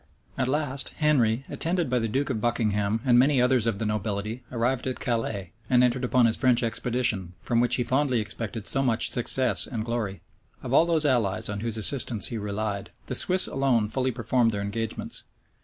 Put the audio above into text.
At last, Henry, attended by the duke of Buckingham and many others of the nobility, arrived at Calais, and entered upon his French expedition, from which he fondly expected so much success and glory.[*] Of all those allies on whose assistance he relied, the Swiss alone fully performed their engagements.